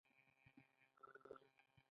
ایا ستاسو باروت به لوند شي؟